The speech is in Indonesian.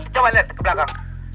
coba lihat ke belakang